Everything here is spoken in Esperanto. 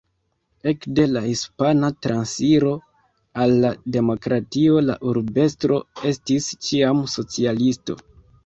Ekde la Hispana Transiro al la Demokratio la urbestro estis ĉiam socialisto.